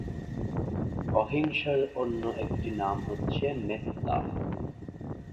অহিংসার অন্য একটি নাম হচ্ছে মেত্তা।